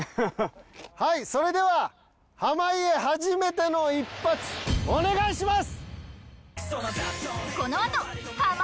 はいそれでは濱家初めての一発お願いします！